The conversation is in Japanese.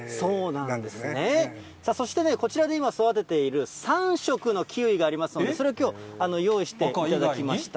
なんそして、こちらで今育てている、３色のキウイがありますので、それをきょう、用意していただきました。